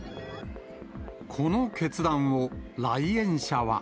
この決断を来園者は。